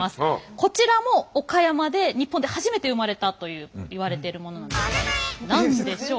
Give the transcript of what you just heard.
こちらも岡山で日本で初めて生まれたといわれているものなんですが何でしょう？